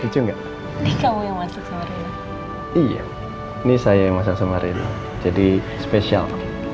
ini juga nih kamu yang masuk sama iya ini saya masa masa marino jadi spesial